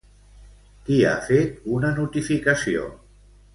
Qui ha fet una notificació?